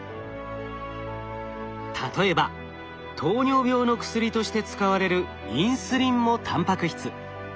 例えば糖尿病の薬として使われるインスリンもタンパク質。